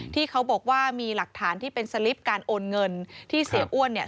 ที่เขาบอกว่ามีหลักฐานที่เป็นสลิปการโอนเงินที่เสียอ้วนเนี่ย